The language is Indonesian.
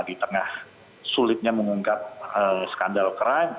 di tengah sulitnya mengungkap skandal crime